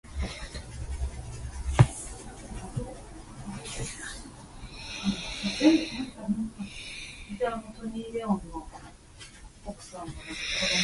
The only hull damage that occurred was a breach into a bow ballast tank.